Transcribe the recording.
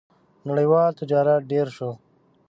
• نړیوال تجارت ډېر شو.